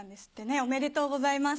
おめでとうございます。